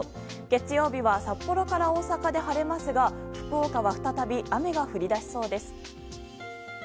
月曜日は札幌から大阪で晴れますが福岡は再び雨が降り出しそうです。